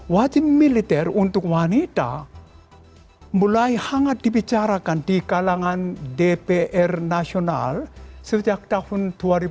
wajib militer untuk wanita mulai hangat dibicarakan di kalangan dpr nasional sejak tahun dua ribu dua